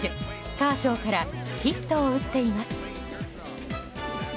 カーショーからヒットを打っています。